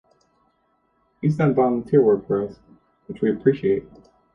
He's done volunteer work for us, which we appreciate.